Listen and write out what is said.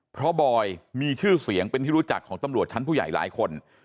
เพราะบอยมีชื่อเสียงเป็นที่รู้จักของตำรวจชั้นผู้ใหญ่หลายคน